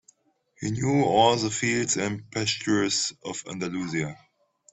He knew all the fields and pastures of Andalusia.